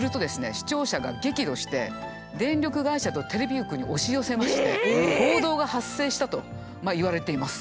視聴者が激怒して電力会社とテレビ局に押し寄せまして暴動が発生したといわれています。